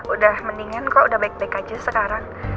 udah mendingan kok udah baik baik aja sekarang